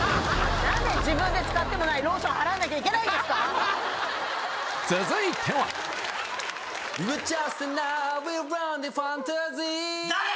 なんで自分で使ってもないローション払わなきゃいけないんですか続いては誰ー？